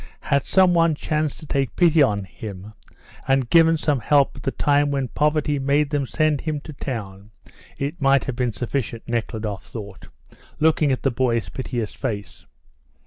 Had some one chanced to take pity on him and given some help at the time when poverty made them send him to town, it might have been sufficient," Nekhludoff thought, looking at the boy's piteous face.